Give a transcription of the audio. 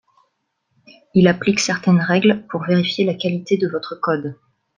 Il applique certaines règles pour vérifier la qualité de votre code.